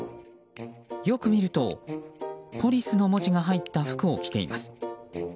よく見るとポリスの文字が入った服を着ています。